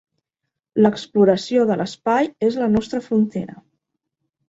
L'exploració de l'espai és la nostra frontera.